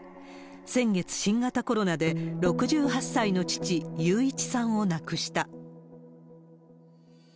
先月、新型コロナで６８歳の父、勇一さんを亡くした。